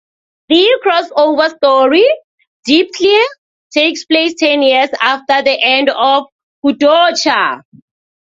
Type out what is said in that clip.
The crossover story, "Deep Clear", takes place ten years after the end of "Kodocha".